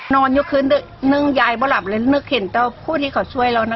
นอนอยู่คืนหนึ่งยายไม่หลับเลยนึกเห็นต้องพูดให้เขาช่วยเรานะ